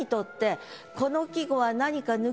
この季語は何か。